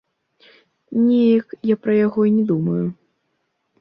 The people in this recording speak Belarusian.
Неяк я пра яго не думаю.